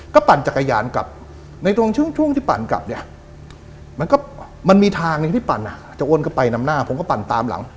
ก็ปั่นจักรยานกลับในช่วงที่ปั่นกลับมันมีทางที่ปั่นจะอ้นกลับไปน้ำหน้าผมก็ปั่นตามหลัง